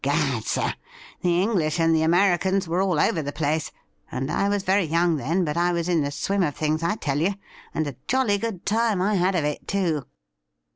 Gad, sif ! the English and the Americans were all over the place ; and I was very young then, but I was in the swim of things, I tell you, and a jolly good time I had of it, too.'